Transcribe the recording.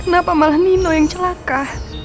kenapa malah nino yang celaka